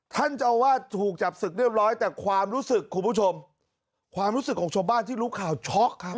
ท่านเจ้าอาวาสถูกจับศึกเรียบร้อยแต่ความรู้สึกคุณผู้ชมความรู้สึกของชาวบ้านที่รู้ข่าวช็อกครับ